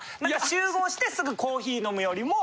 集合してすぐコーヒー飲むよりも。